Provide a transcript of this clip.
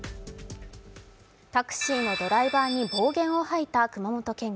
タクシーのドライバーに暴言を吐いた熊本県議。